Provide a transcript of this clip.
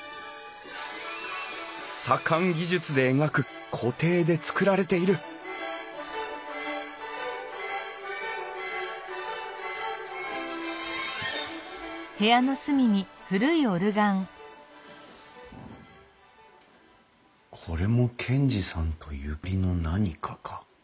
左官技術で描く鏝絵で作られているこれも賢治さんとゆかりの何かか？